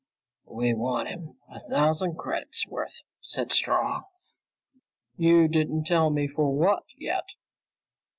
"We want him a thousand credits' worth," said Strong. "You didn't tell me for what, yet."